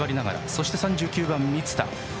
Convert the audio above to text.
そして３９番の満田。